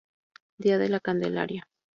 Día de la Candelaria.